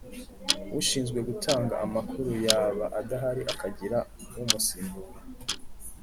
ushinzwe gutanga amakuru, yaba adahari akagira umusimbura.